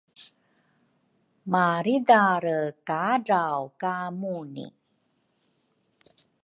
maridare kadraw ka Muni.